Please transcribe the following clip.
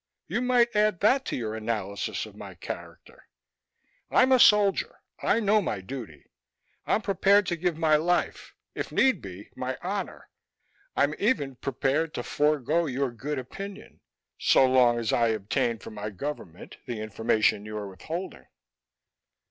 You might add that to your analysis of my character. I'm a soldier; I know my duty. I'm prepared to give my life; if need be, my honor. I'm even prepared to forego your good opinion so long as I obtain for my government the information you're withholding."